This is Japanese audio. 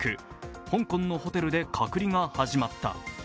香港のホテルで隔離が始まった。